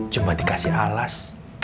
cuma dikasih alas